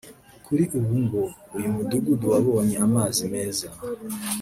Kuri ubu ngo uyu mudugudu wabonye amazi meza